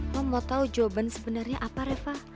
lo mau tau jawaban sebenernya apa reva